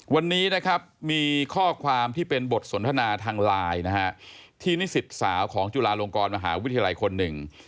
วันนี้นะครับมีข้อความที่เป็นบทสนทนาทางไลน์นะฮะที่นิสิตสาวของจุฬาลงกรมหาวิทยาลัยคนหนึ่ง